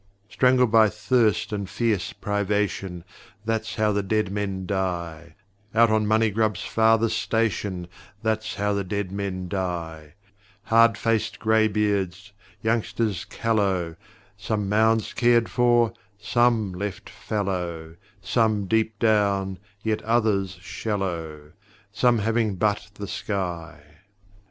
Strangled by thirst and fierce privation That's how the dead men die! Out on Moncygrub's farthest station That's how the dead men die! Hard faced greybeards, youngsters caflow; Some mounds cared for, some left fallow; Some deep down, yet others shallow. Some having but the sky.